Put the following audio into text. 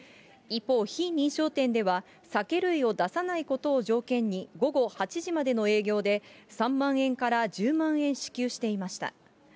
一方、非認証店では、酒類を出さないことを条件に、午後８時までの営業で、３万円から１０万円支給していました。